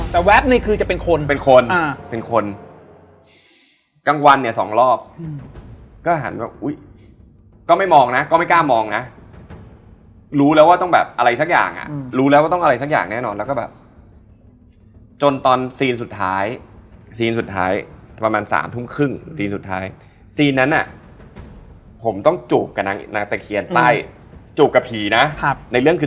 แต่อาจจะพูดไม่ดังพอมั้งคงเกรงใจเขาอยู่